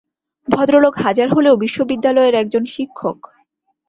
ভদ্রলোক হাজার হলেও বিশ্ববিদ্যালয়ের এক জন শিক্ষক।